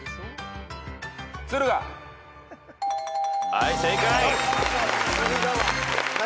はい正解。